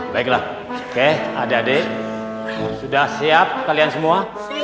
baiklah oke adek adek sudah siap kalian semua